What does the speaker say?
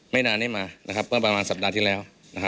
ไม่นานจุดนี้มาเสียสระหว่างสัปดาห์ที่แล้ว